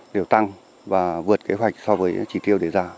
đều tăng và vượt kế hoạch so với chỉ tiêu đề ra